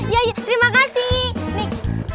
ya ya terima kasih